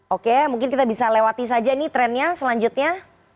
oke mungkin kita bisa lewati saja ini trennya selanjutnya